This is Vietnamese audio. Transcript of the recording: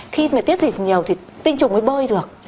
khi mà tiết dịch nhiều thì tinh trùng mới bơi được